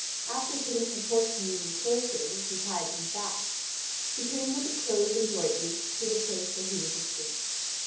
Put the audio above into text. After putting her horse in an enclosure where she tied him fast, she came with the clothes and the ointment to the place where he was asleep.